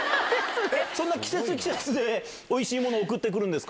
そんな季節季節で、おいしいもの送ってくるんですか。